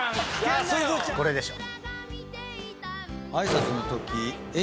「これでしょ」